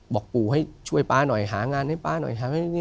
บอกปู่ให้ช่วยป๊าหน่อยหางานให้ป๊าหน่อยหานี่